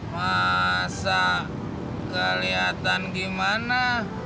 masa kelihatan gimana